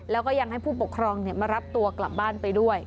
แล้วก็ยังให้ผู้ปกครองมารับตัวกลับบ้านไปด้วย